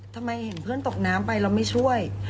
ทำไมเห็นเพื่อนตกน้ำไปเราไม่ช่วย